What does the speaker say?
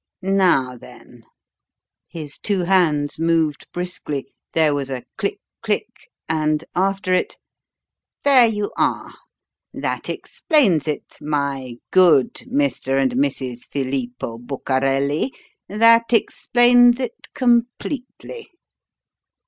Now then" his two hands moved briskly, there was a click click, and after it: "There you are that explains it, my good Mr. and Mrs. Filippo Bucarelli; that explains it completely!"